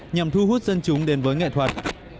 nhằm thu hút dân chúng đến với nghệ thuật